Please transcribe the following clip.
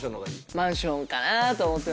マンションかなと思ってますけど。